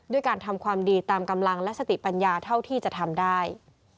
การทำความดีตามกำลังและสติปัญญาเท่าที่จะทำได้